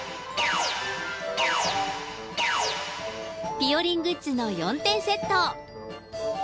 ぴよりんグッズの４点セット。